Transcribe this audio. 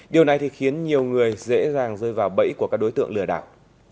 điều này thì khiến nhiều người dễ dàng rơi vào bẫy của các đối tượng lừa đảo